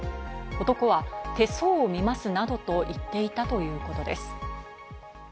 男は手相を見ますなどと、言っていたということです。